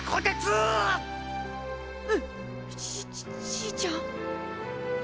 じじいちゃん。